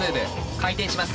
回転します。